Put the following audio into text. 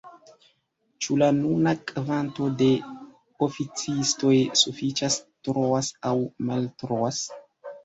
Ĉu la nuna kvanto de oficistoj sufiĉas, troas aŭ maltroas?